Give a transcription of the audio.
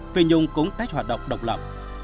phi nhung cũng tách hoạt động độc lập